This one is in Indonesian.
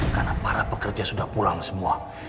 karena para pekerja sudah pulang semua